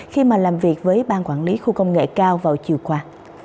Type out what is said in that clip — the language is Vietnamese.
khi mà làm việc với ban quản lý khu công nghệ cao vào chiều qua